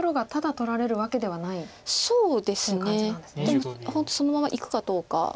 でも本当そのままいくかどうか。